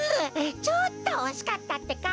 ちょっとおしかったってか。